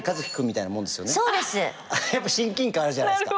やっぱ親近感あるじゃないですか。